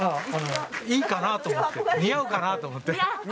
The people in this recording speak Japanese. いいかなと思って、似合うかなと思って。